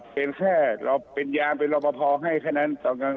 เป็นแค่เป็นยามเป็นร่องประพาธิให้ขนัน